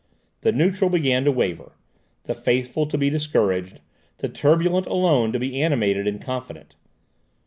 The neutral began to waver, the faithful to be discouraged, the turbulent alone to be animated and confident.